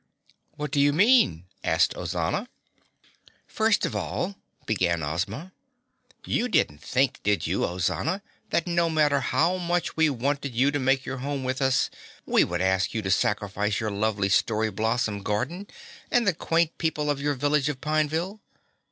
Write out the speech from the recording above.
"What do you mean?" asked Ozana. "First of all," began Ozma, "you didn't think, did you, Ozana, that no matter how much we wanted you to make your home with us, we would ask you to sacrifice your lovely Story Blossom Garden and the quaint people of your Village of Pineville?